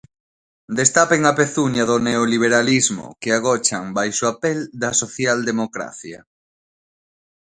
Destapen a pezuña do neoliberalismo que agochan baixo a pel da socialdemocracia.